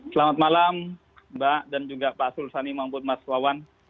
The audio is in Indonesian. selamat malam mbak dan juga pak arsul sani mamput mas wawan